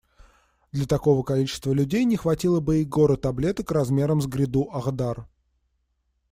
Для такого количества людей не хватило бы и горы таблеток размером с гряду Ахдар.